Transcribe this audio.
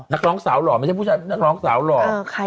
นักร้องสาวหล่อไม่ใช่ผู้ชายนักร้องสาวหล่อเออใครอ่ะ